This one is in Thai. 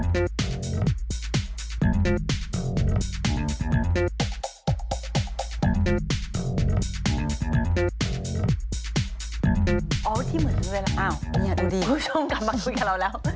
อ๋อที่เหมือนกันด้วยแล้วอ้าวคุณผู้ชมกลับมาคุยกับเราแล้ว